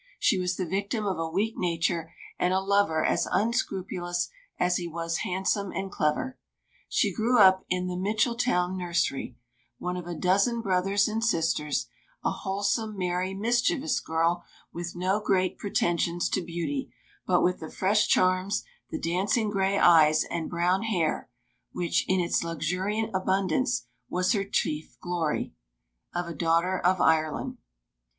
She was the victim of a weak nature and a lover as unscrupulous as he was handsome and clever. She grew up in the Mitchelstown nursery one of a dozen brothers and sisters a wholesome, merry, mischievous girl, with no great pretensions to beauty, but with the fresh charms, the dancing grey eyes, and brown hair (which, in its luxuriant abundance, was her chief glory) of a daughter of Ireland.